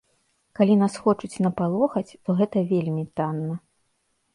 Калі нас хочуць напалохаць, то гэта вельмі танна.